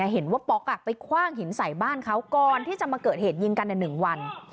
บอกว่าป๊อกไปคว่างหินใส่บ้านเขาก่อนที่จะมาเกิดเหตุยิงกันใน๑วัน